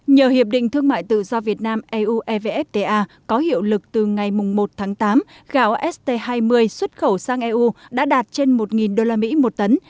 nhờ hiệp định thương mại tự do việt nam eu evfta có hiệu lực từ ngày một tháng tám gạo st hai mươi xuất khẩu sang eu đã đạt trên một usd một tấn